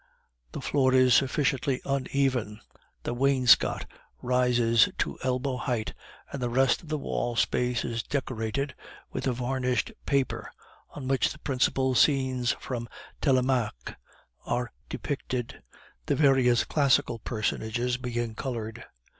The floor is sufficiently uneven, the wainscot rises to elbow height, and the rest of the wall space is decorated with a varnished paper, on which the principal scenes from Telemaque are depicted, the various classical personages being colored.